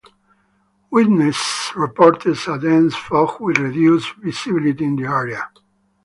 Witnesses reported a dense fog with reduced visibility in the area.